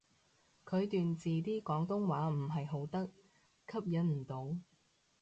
佢段字啲廣東話唔係好得，吸引唔到